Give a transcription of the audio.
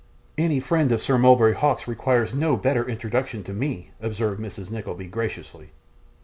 'Any friend of Sir Mulberry Hawk's requires no better introduction to me,' observed Mrs. Nickleby, graciously.